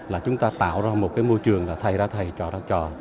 là chúng ta tạo ra một cái môi trường là thay ra thầy trò ra trò